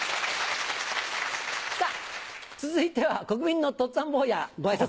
さぁ続いては国民のとっつぁん坊やご挨拶。